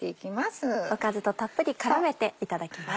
この後おかずとたっぷり絡めていただきます。